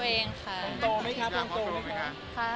ห้องโตไหมคะห้องโตไหมคะ